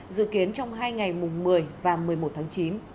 dự kiến trong hai ngày mùng một mươi và một mươi một tháng chín